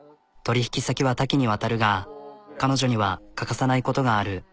取引先は多岐にわたるが彼女には欠かさないことがある。